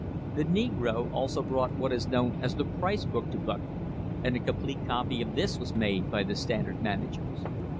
The negro .also brought what is known as the price book to Buckley, and a complete copy of this was made by the Standard managers.